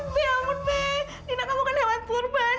ampun be ampun be dina kamu kan hewan purban